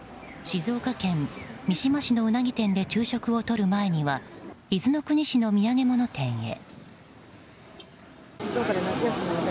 静岡県三島市のうなぎ店で昼食をとる前には伊豆の国市の土産物店へ。